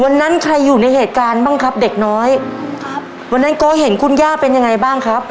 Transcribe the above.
วันนั้นใครอยู่ในเหตุการณ์บ้างครับเด็กน้อยครับวันนั้นก็เห็นคุณย่าเป็นยังไงบ้างครับ